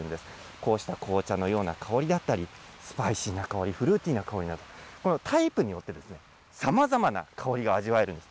こうした紅茶のような香りだったり、スパイシーな香り、フルーティーな香りなど、このタイプによって、さまざまな香りが味わえるんです。